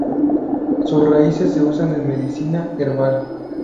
Sus raíces se usan en medicina herbal.